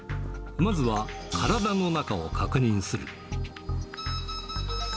まずは、体の中を確認する。